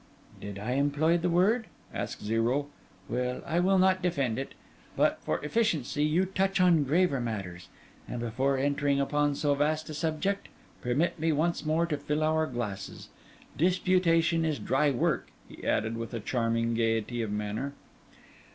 'Did I employ the word?' asked Zero. 'Well, I will not defend it. But for efficiency, you touch on graver matters; and before entering upon so vast a subject, permit me once more to fill our glasses. Disputation is dry work,' he added, with a charming gaiety of manner.